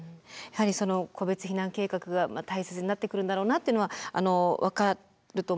やはりその個別避難計画が大切になってくるんだろうなっていうのは分かると思うんですけれど